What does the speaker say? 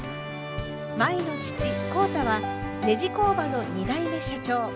舞の父浩太はネジ工場の２代目社長。